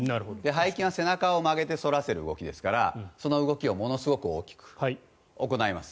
背筋は背中を曲げて反らせる動きですからその動きをものすごく大きく行います。